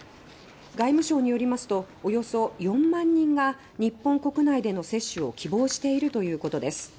外務省によりますとおよそ４万人が日本国内での接種を希望しているということです。